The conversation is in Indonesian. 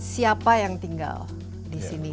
siapa yang tinggal di sini